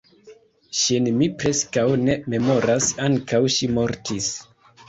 Ŝin mi preskaŭ ne memoras; ankaŭ ŝi mortis.